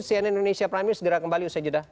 cnn indonesia prime news segera kembali